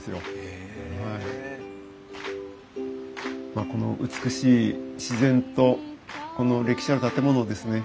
まあこの美しい自然とこの歴史ある建物をですね